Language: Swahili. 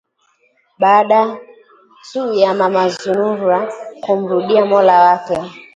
baada tu ya Mama Zanura kumrudia Mola wake